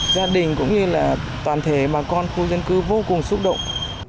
gia đình cũng như là toàn thể bà con khu dân cư vô cùng xúc động